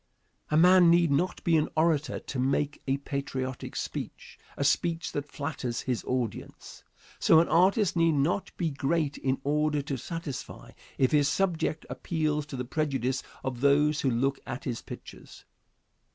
A man need not be an orator to make a patriotic speech, a speech that flatters his audience. So, an artist need not be great in order to satisfy, if his subject appeals to the prejudice of those who look at his pictures.